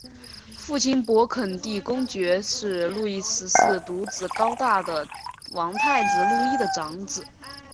父亲勃艮地公爵是路易十四独子高大的王太子路易的长子。